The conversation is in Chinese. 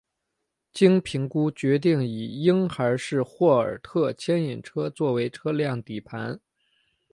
经评估决定以婴孩式霍尔特牵引车作为车辆底盘。